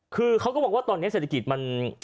คือเขาก็บอกว่าตอนนี้เศรษฐกิจมัน